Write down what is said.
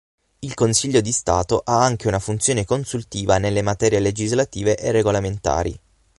Il Consiglio di Stato ha anche una funzione consultiva nelle materie legislative e regolamentari.